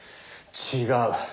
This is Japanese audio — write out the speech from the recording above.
違う。